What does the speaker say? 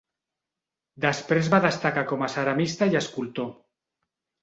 Després va destacar com a ceramista i escultor.